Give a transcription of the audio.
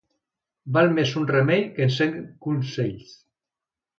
Val més un remei que cent consells.